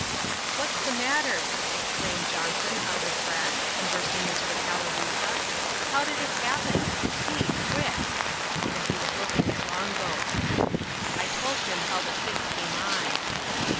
" What's the matter ?" exclaimed Johnson, out of breath, and bursting into the Calabooza :^^ how did it happen ?— speak, quick !" and he looked at Long Ghost. I told him how the fit came on.